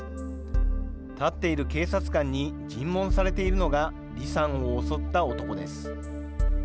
立っている警察官に尋問されているのが、李さんを襲った男です。